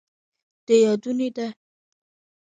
د يادونې ده،